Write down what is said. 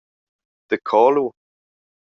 Daco lu?